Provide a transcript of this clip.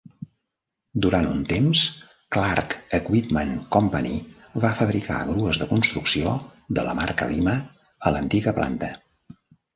Durant un temps, Clark Equipment Company va fabricar grues de construcció de la marca Lima a l'antiga planta.